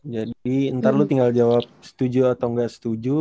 jadi ntar lu tinggal jawab setuju atau gak setuju